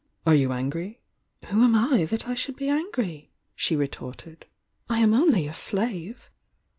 "Are you angry?" "Who am I that I should be angry?" she retorted. "I am only your slave!"